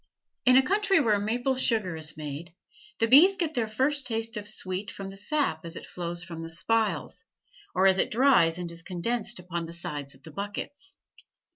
In a country where maple sugar is made, the bees get their first taste of sweet from the sap as it flows from the spiles, or as it dries and is condensed upon the sides of the buckets.